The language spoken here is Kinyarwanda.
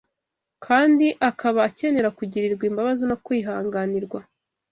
kandi akaba akenera kugirirwa imbabazi no kwihanganirwa